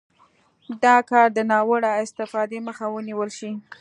دا کار د ناوړه استفادې مخه ونیول شي.